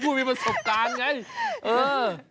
อ๋อก็ผู้มีประสบการณ์ไง